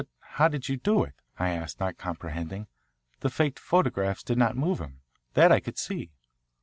"But how did you do it?" I asked, not comprehending. "The faked photographs did not move him, that I could see."